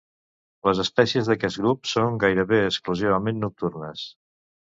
Les espècies d'aquest grup són gairebé exclusivament nocturnes.